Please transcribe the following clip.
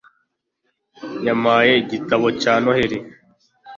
yampaye igitabo cya noheri